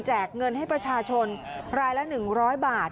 เงินให้ประชาชนรายละ๑๐๐บาท